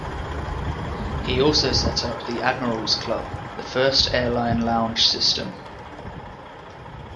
He also set up the Admirals Club, the first airline lounge system.